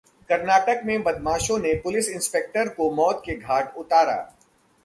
कर्नाटक में बदमाशों ने पुलिस इंस्पेक्टर को मौत के घाट उतारा